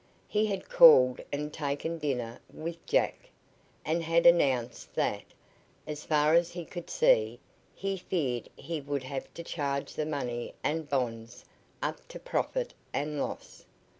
He had called and taken dinner with Jack, and had announced that, as far as he could see, he feared he would have to charge the money and bonds up to profit and loss.